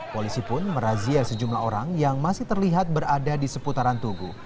polisi pun merazia sejumlah orang yang masih terlihat berada di seputaran tugu